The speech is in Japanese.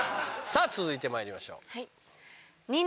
さぁ続いてまいりましょう。